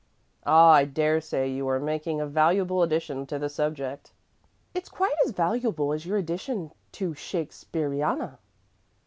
"Ah, I dare say you are making a valuable addition to the subject." "It's quite as valuable as your addition to Shaksperiana."